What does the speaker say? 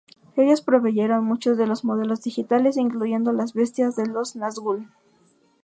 Ellos proveyeron muchos de los modelos digitales, incluyendo las bestias de los Nazgûl.